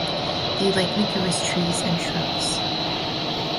They likely grew as trees and shrubs.